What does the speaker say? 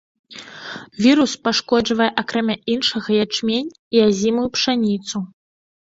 Вірус пашкоджвае акрамя іншага ячмень і азімую пшаніцу.